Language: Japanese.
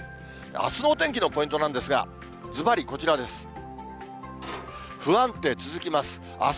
あすのお天気のポイントなんですが、ずばりこちらです。